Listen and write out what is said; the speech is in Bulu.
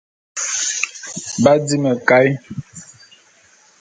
B'adi mekaé.